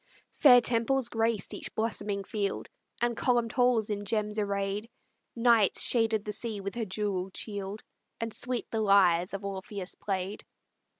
Fair temples graced each blossoming field, And columned halls in gems arrayed; Night shaded the sea with her jewelled shield, And sweet the lyres of Orpheus played.